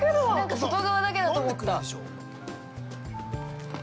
外側だけだと思った。